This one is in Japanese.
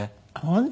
本当。